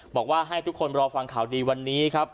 บอกว่าให้ทุกคนรอฟังข่าวดีวันนี้ครับ